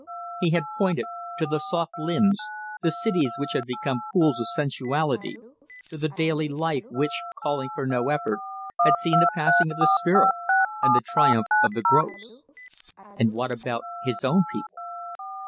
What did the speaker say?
He had pointed to the soft limbs, the cities which had become pools of sensuality, to the daily life which, calling for no effort, had seen the passing of the spirit and the triumph of the gross. And what about his own people?